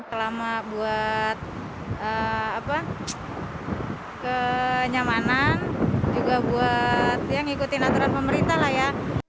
kelama buat kenyamanan juga buat yang ngikutin aturan pemerintah lah ya